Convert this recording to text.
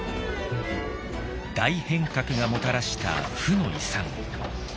大変革がもたらした負の遺産。